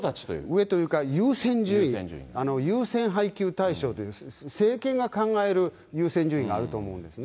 上というか優先順位、優先配給対象というんです、政権が考える優先順位があると思うんですね。